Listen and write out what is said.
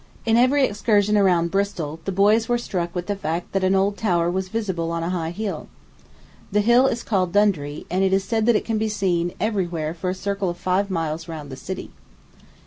In every excursion around Bristol, the boys were struck with the fact that an old tower was visible on a high hill. The hill is called Dundry, and it is said that it can be seen every where for a circle of five miles round the city.